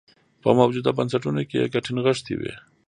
په موجوده بنسټونو کې یې ګټې نغښتې وې.